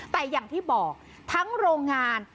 แต่อย่างที่บอกทั้งโรงงาน